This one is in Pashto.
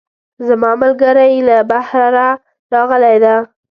زما ملګرۍ له بهره راغلی ده